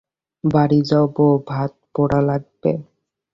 বাড়ি যাও বৌ, ভাত পোড়া লাগবে।